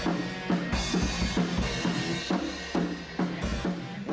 dan kita bisa menjaga kekayaan manusia